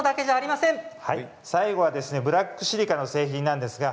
最後はブラックシリカの製品です。